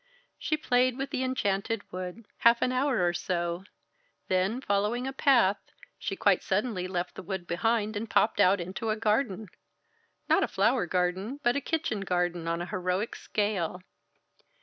She played with the enchanted wood half an hour or so; then following a path, she quite suddenly left the wood behind, and popped out into a garden not a flower garden, but a kitchen garden on an heroic scale.